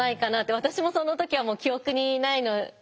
私もその時は記憶にないので。